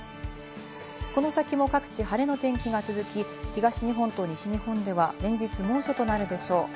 この先も各地晴れの天気が続き、東日本と西日本では連日猛暑となるでしょう。